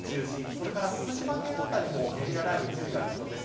それから福島県辺りもゲリラ雷雨に注意が必要です。